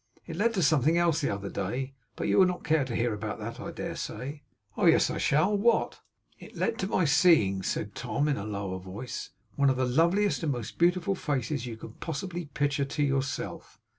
It led to something else the other day; but you will not care to hear about that I dare say?' 'Oh yes I shall. What?' 'It led to my seeing,' said Tom, in a lower voice, 'one of the loveliest and most beautiful faces you can possibly picture to yourself.